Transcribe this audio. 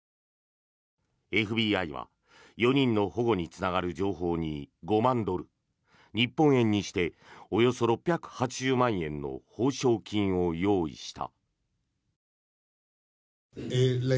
ＦＢＩは４人の保護につながる情報に５万ドル日本円にしておよそ６８０万円の報奨金を用意した。